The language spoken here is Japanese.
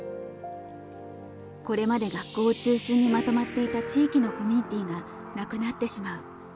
これまで、学校を中心にまとまっていた地域のコミュニティーがなくなってしまう。